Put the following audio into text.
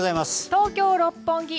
東京・六本木